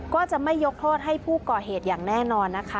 ก็จะไม่ยกโทษให้ผู้ก่อเหตุอย่างแน่นอนนะคะ